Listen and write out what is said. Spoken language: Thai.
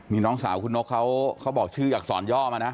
มีน้องสาวคุณนกเค้าบอกชื่ออยากสอนยอมอ่ะนะ